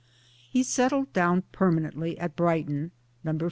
He settled down permanently at Brighton (No.